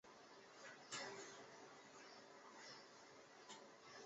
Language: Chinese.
今高雄市内门区。